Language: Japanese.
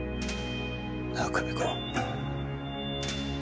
なあ久美子。